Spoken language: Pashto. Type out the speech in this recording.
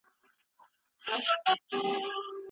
پلار موږ ته دا را زده کوي چي څنګه د خپلو حقونو دفاع وکړو.